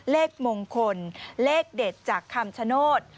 เลขมงคลเลขเด็ดจากคำชโนธ